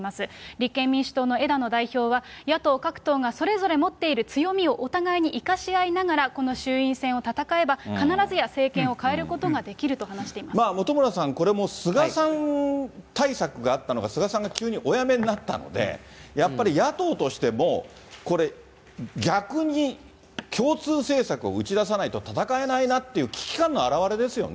立憲民主党の枝野代表は、野党各党がそれぞれ持っている強みをお互いに生かし合いながら、この衆院選を戦えば、必ずや政権を変えることができると話してい本村さん、これもう菅さん対策があったのか、菅さんが急にお辞めになったので、やっぱり野党としても、これ、逆に共通政策を打ち出さないと戦えないなという危機感の現れです